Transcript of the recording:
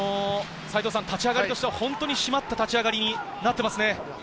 立ち上がりとしては締まった立ち上がりになっていますね。